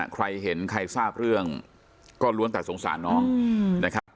ใครเห็นใครทราบเรื่องก็ล้วนแต่สงสารน้องนะครับ